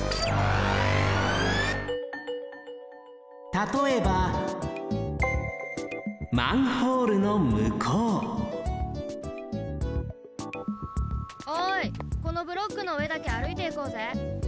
たとえばおいこのブロックのうえだけあるいていこうぜ。